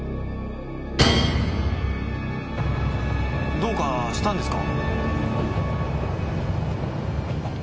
どうかしたんですか？